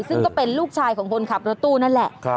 ซึ่งก็เป็นลูกชายของคนขับรถตู้นั่นแหละ